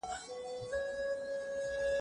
بیالې د سپینو نسترنو یوه څانګه راوړه